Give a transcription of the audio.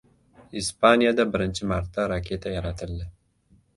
Ispaniyada birinchi marta raketa yaratildi